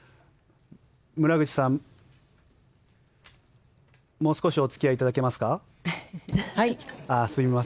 村口さん、もう少しお付き合いいただけますか？